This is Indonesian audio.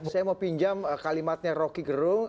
saya mau pinjam kalimatnya rocky gerung